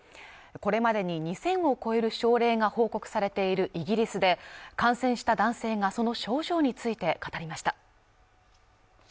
これまでに２０００を超える症例が報告されているイギリスで感染した男性がその症状について語りました